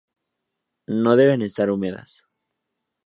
No deben estar húmedas.